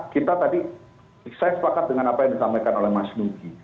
kita tadi saya sepakat dengan apa yang disampaikan oleh mas nugi